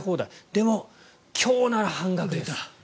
でも今日なら半額です。